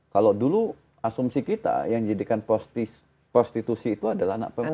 kalau dulu asumsi kita yang jadikan prostitusi itu adalah anak pemulu